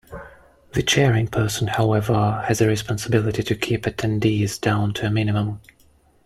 The chairing person, however, has a responsibility to keep attendees down to a minimum.